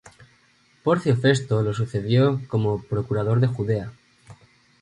Porcio Festo lo sucedió como procurador de Judea.